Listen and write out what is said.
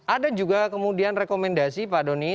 ada juga kemudian rekomendasi pak doni